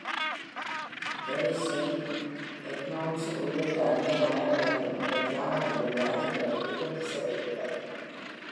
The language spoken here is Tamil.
Bury Saint Edmunds உள்ளிட்ட அண்டை நகரங்களுக்கும் இந்த கிராமத்திலிருந்து அடிக்கடி பேருந்து சேவை உள்ளது.